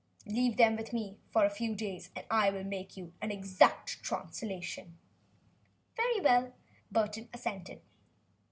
Leave them with me for a few days, and I will make you an exact translation." "Very well," Burton assented.